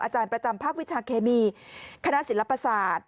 อาจารย์ประจำภาควิชาเคมีคณะศิลปศาสตร์